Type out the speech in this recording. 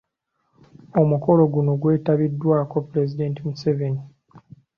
Omukolo gono gwetabiddwako Pulezidenti Museveni.